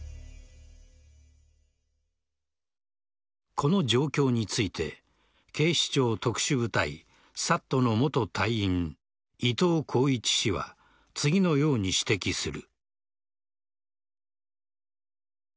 この状況について警視庁特殊部隊・ＳＡＴの元隊員伊藤鋼一氏は次のように指摘する。